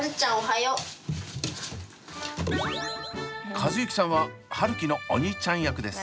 和友輝さんは春輝のお兄ちゃん役です。